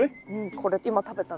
これ今食べたの。